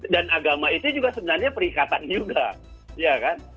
dan agama itu juga sebenarnya perikatan juga ya kan